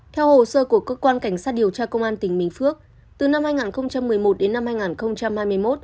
theo hồ sơ của cơ quan cảnh sát điều tra công an tỉnh bình phước từ năm hai nghìn một mươi một đến năm hai nghìn hai mươi một